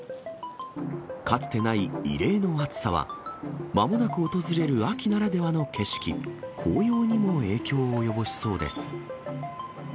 かつてない異例の暑さは、まもなく訪れる秋ならではの景色、紅葉にも影響を及ぼしそうです。